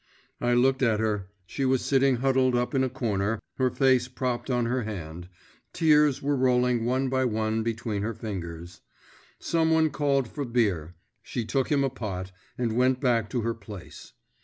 I looked at her; she was sitting huddled up in a corner, her face propped on her hand; tears were rolling one by one between her fingers. Some one called for beer; she took him a pot, and went back to her place.